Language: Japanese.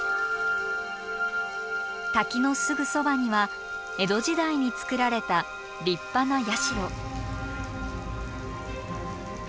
滝のすぐそばには江戸時代に作られた立派な社。